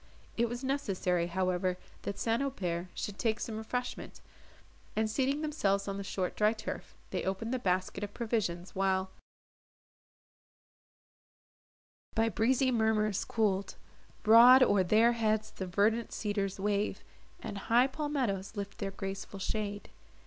It was necessary, however, that St. Aubert should take some refreshment, and, seating themselves on the short dry turf, they opened the basket of provisions, while by breezy murmurs cool'd, Broad o'er their heads the verdant cedars wave, And high palmetos lift their graceful shade.